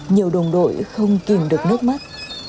nhiều đồng đội không kìm được nước mắt